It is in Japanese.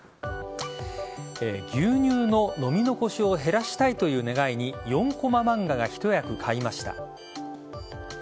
牛乳の飲み残しを減らしたいという願いに４こま漫画が一役買いました。